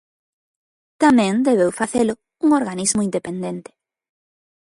Tamén debeu facelo un organismo independente.